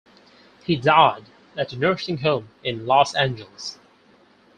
He died at a nursing home in Los Angeles.